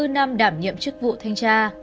hai mươi năm đảm nhiệm chức vụ thanh tra